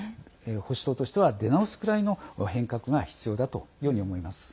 保守党としては出直すぐらいの変革が必要だと思います。